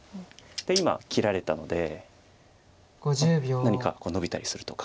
今切られたので何かノビたりするとか。